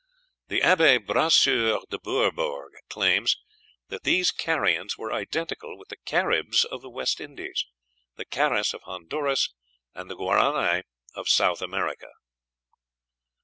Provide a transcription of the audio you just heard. The Abbé Brasseur de Bourbourg claims that these Carians were identical with the Caribs of the West Indies, the Caras of Honduras, and the Gurani of South America.